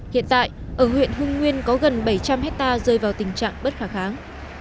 hiện tại ở huyện hưng nguyên có gần bảy trăm linh hectare rơi vào tình trạng bất khả kháng